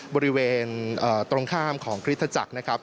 บริเวณตรงข้ามของคริสต์ธจักร